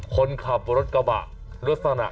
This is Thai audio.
คนขับรถกระป๋า